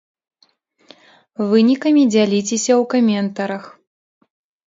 Вынікамі дзяліцеся ў каментарах!